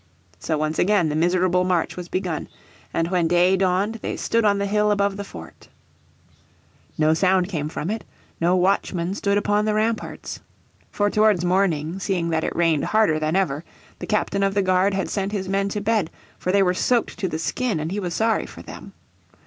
So once again the miserable march was begun, and when day dawned they stood on the hill above the fort . No sound came from it, no watchman stood upon the ramparts. For towards morning, seeing that it rained harder than ever, the captain of the guard had sent his men to bed, for they were soaked to the skin and he was sorry for them.